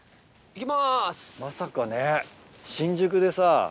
まさかね新宿でさ。